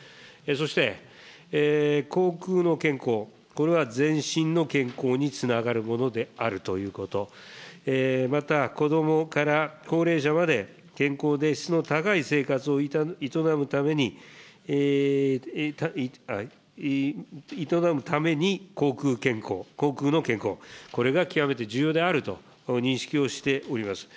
そして、口腔の健康、これは全身の健康につながるものであるということ、また、こどもから高齢者まで、健康で質の高い生活を営むために、口腔健康、口腔の健康、これが極めて重要であると認識をしております。